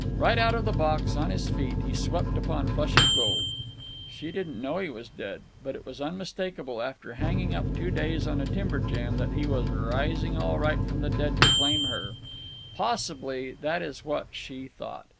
Right out of the box, on his feet, he swept upon Flush of Gold. She didn't know he was dead, but it was unmistakable, after hanging up two days on a timber jam, that he was rising all right from the dead to claim her. Possibly that is what she thought.